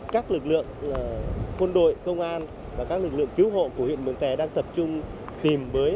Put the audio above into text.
các lực lượng quân đội công an và các lực lượng cứu hộ của huyện mường tè đang tập trung tìm mới